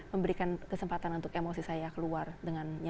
memberikan kesempatan untuk emosi saya keluar dengan yang cara